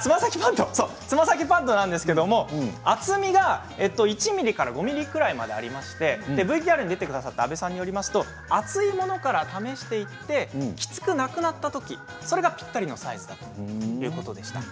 つま先パッドなんですけど厚みが１ｍｍから５ｍｍぐらいまでありましてＶＴＲに出てくださった阿部さんによりますと厚いものから試していってきつくなくなったときそれがぴったりのサイズだということでした。